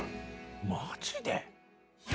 マジで。